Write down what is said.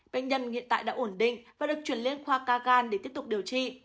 bệnh nhân hiện tại đã ổn định và được chuyển lên khoa ca gan để tiếp tục điều trị